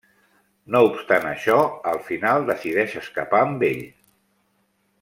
No obstant això, al final decideix escapar amb ell.